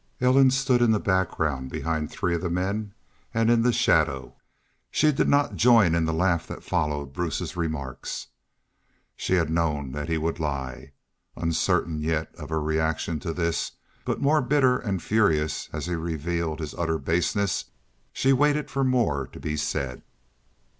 Ellen stood in the background behind three of the men and in the shadow. She did not join in the laugh that followed Bruce's remarks. She had known that he would lie. Uncertain yet of her reaction to this, but more bitter and furious as he revealed his utter baseness, she waited for more to be said.